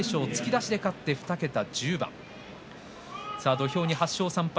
土俵に８勝３敗